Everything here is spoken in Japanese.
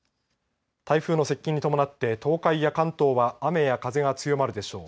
台風の接近に伴って東海や関東は雨や風が強まるでしょう。